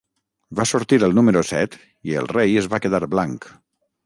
Va sortir el número set i el rei es va quedar blanc.